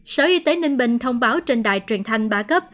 sở y tế ninh bình thông báo trên đài truyền thanh ba cấp